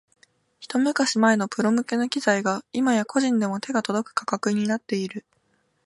ひと昔前のプロ向けの機材が今や個人でも手が届く価格になっている